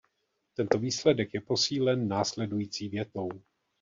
Tento výsledek je posílen následující větou.